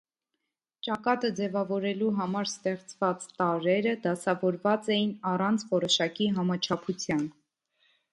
Ճակատը ձևավորելու համար ստեղծված տարրերը դասավորված էին առանց որոշակի համաչափության։